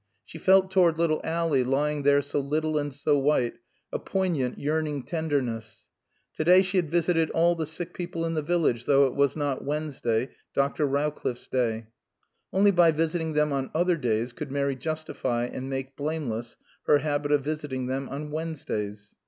She felt toward little Ally, lying there so little and so white, a poignant, yearning tenderness. Today she had visited all the sick people in the village, though it was not Wednesday, Dr. Rowcliffe's day. (Only by visiting them on other days could Mary justify and make blameless her habit of visiting them on Wednesdays.)